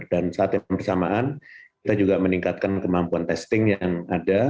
dan saat yang bersamaan kita juga meningkatkan kemampuan testing yang ada